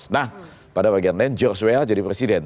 nah pada bagian lain george wa jadi presiden